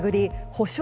補償